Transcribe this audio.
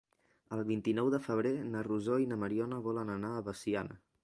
El vint-i-nou de febrer na Rosó i na Mariona volen anar a Veciana.